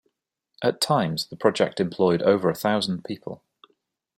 At times, the project employed over a thousand people.